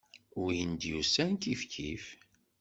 Win d-yusan, kifkif.